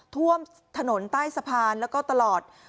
ท่วมถนนใต้สะพานแล้วก็ตลอด